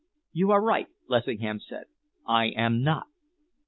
"You are right," Lessingham said. "I am not."